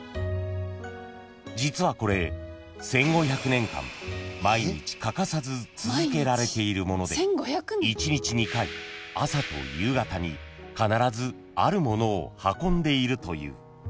［実はこれ１，５００年間毎日欠かさず続けられているもので１日２回朝と夕方に必ずあるものを運んでいるという］